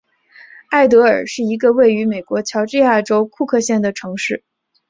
艾得尔是一个位于美国乔治亚州库克县的城市。